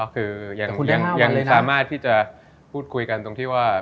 คือยังสามารถที่จะพูดคุยกันตรงที่ว่า